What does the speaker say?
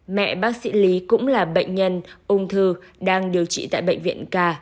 mẹ bác sĩ lý cũng là bệnh nhân ung thư đang điều trị tại bệnh viện ca